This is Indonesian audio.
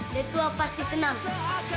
dekua pasti senang